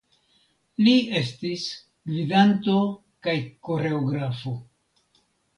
Li estis gvidanto kaj koreografo.